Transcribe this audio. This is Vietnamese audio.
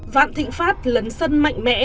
vạn thịnh pháp lấn sân mạnh mẽ